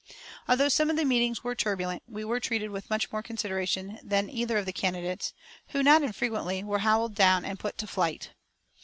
Although some of the meetings were turbulent, we were treated with much more consideration than either of the candidates, who, not infrequently, were howled down and put to flight.